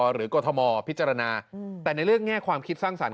กรทมพิจารณาแต่ในเรื่องแง่ความคิดสร้างสรรค